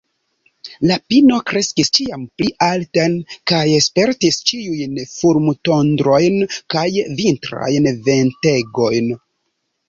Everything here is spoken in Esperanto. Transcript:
La pino kreskis ĉiam pli alten kaj spertis ĉiujn fulmotondrojn kaj vintrajn ventegojn.